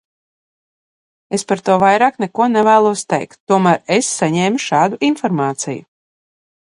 Es par to vairāk neko nevēlos teikt, tomēr es saņēmu šādu informāciju.